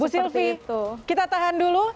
jadi kita tahan dulu